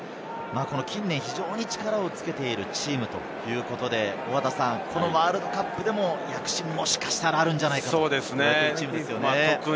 近年、非常に力をつけているチームということで、ワールドカップでも躍進、もしかしたらあるのではないかというチームですよね。